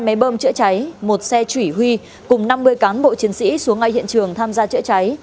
hai máy bơm chữa cháy một xe chỉ huy cùng năm mươi cán bộ chiến sĩ xuống ngay hiện trường tham gia chữa cháy